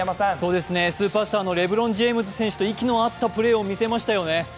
スーパースターのレブロン・ジェームズ選手と息の合ったプレーを見せましたよね。